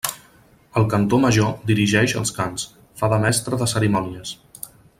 El cantor major dirigix els cants, fa de mestre de cerimònies.